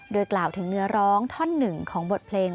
โดยกล่าวถึงเนื้อร้องท่อนหนึ่งของบทเพลง